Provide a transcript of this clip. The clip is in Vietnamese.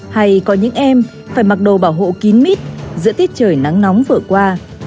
hay có những em phải mặc đồ bảo hộ kín mít giữa tiết trời nắng nóng vừa qua